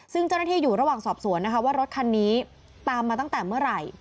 ซึ่งเจ้าหน้าที่อยู่ระหว่างสอบสวนนะคะว่ารถคันนี้ตามมาตั้งแต่เมื่อไหร่